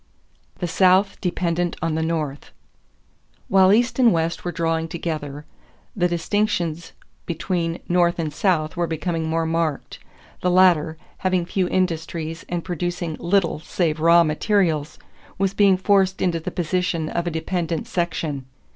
=The South Dependent on the North.= While East and West were drawing together, the distinctions between North and South were becoming more marked; the latter, having few industries and producing little save raw materials, was being forced into the position of a dependent section.